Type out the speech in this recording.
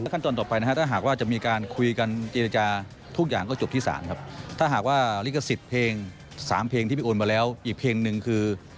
ขั้นตอนต่อไปนะฮะถ้าหากว่าจะมีการคุยกันเจรจาทุกอย่างก็จบที่ศาลครับถ้าหากว่าลิขสิทธิ์เพลง๓เพลงที่พี่โอนมาแล้วอีกเพลงหนึ่งคือ